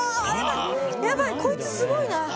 やばい、こいつすごいな。